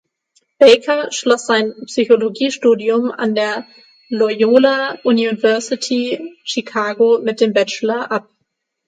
Baker schloss sein Psychologiestudium an der Loyola University Chicago mit dem Bachelor ab.